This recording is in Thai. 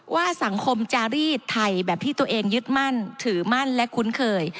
ว่าสังคมจารีดไทยแบบที่ตัวเองยึดมั่นถือมั่นและคุ้นเคย